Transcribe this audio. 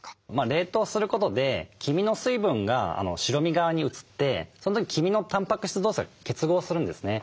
冷凍することで黄身の水分が白身側に移ってその時黄身のたんぱく質同士が結合するんですね。